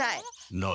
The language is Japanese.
何？